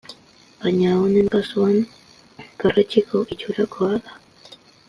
Baina, honen kasuan, perretxiko itxurakoa da.